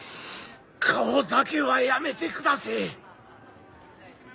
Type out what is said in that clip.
顔だけはやめてくだせえ。